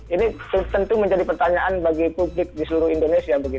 ini tentu menjadi pertanyaan bagi publik di seluruh indonesia